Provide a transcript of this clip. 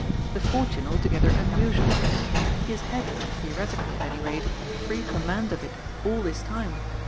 The fortune altogether unusuaL He has had, theoretically,. at any rate, free command of it all this time.